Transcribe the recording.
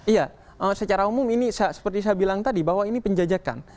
iya secara umum ini seperti saya bilang tadi bahwa ini penjajakan